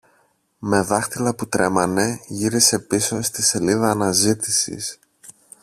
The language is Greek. Με δάχτυλα που τρέμανε γύρισε πίσω στη σελίδα αναζήτησης